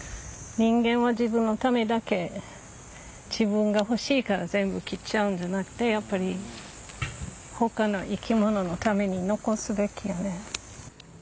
人間は自分のためだけ自分が欲しいから全部切っちゃうんじゃなくてやっぱり他の生き物のために残すべきやね。